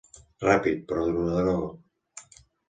Ràpid, però durador.